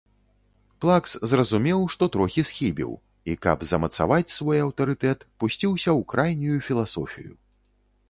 Плакс зразумеў, што троху схібіў, і, каб замацаваць свой аўтарытэт, пусціўся ў крайнюю філасофію.